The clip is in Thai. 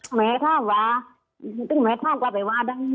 ก็แม่ทาบว่าต้องแม่ทาบกลับไปว่า